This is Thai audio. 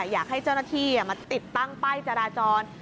อยากให้เจ้าหน้าที่มาติดตั้งป้ายจราจร